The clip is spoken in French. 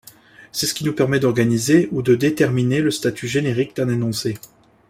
C’est ce qui nous permet d’organiser, ou de déterminer le statut générique d’un énoncé.